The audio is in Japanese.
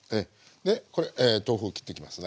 これ豆腐を切っていきますね。